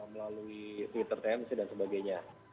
melalui twitter tmc dan sebagainya